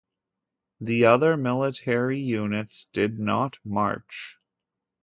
The other military units did not march.